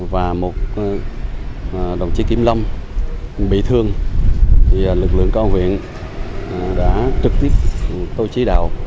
và một đồng chí kiểm lâm bị thương lực lượng công an huyện đã trực tiếp tổ chí đạo